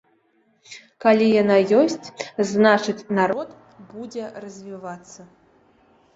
Калі яна ёсць, значыць, народ будзе развівацца.